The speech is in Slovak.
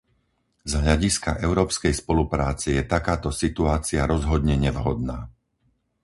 Z hľadiska európskej spolupráce je takáto situácia rozhodne nevhodná.